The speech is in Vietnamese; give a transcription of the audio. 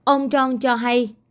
ông jong cho hay